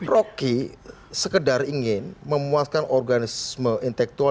rocky sekedar ingin memuaskan organisme intelektual